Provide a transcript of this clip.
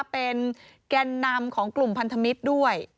เป็นแก่นนำของกลุ่มพันธมิตรด้วย